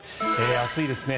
暑いですね。